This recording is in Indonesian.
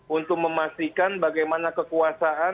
untuk memastikan bagaimana kekuasaan